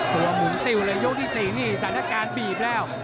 หมุนติวเลยยกที่๔นี่สถานการณ์บีบแล้ว